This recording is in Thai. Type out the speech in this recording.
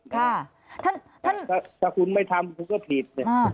ค่ะท่านท่านถ้าคุณไม่ทำคุณก็ผิดอ่า